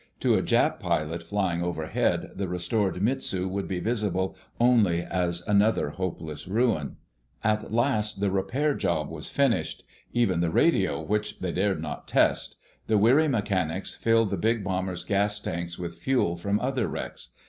To a Jap pilot flying overhead the restored Mitsu would be visible only as another hopeless ruin. At last the repair job was finished—even the radio which they dared not test. The weary mechanics filled the big bomber's gas tanks with fuel from other wrecks.